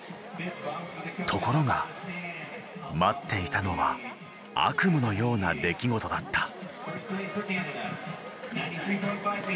ところが待っていたのは悪夢のような出来事だった。